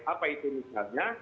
apa itu misalnya